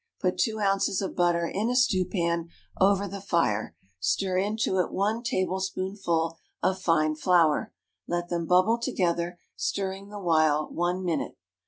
Put two ounces of butter in a stewpan over the fire, stir into it one tablespoonful of fine flour; let them bubble together, stirring the while, one minute.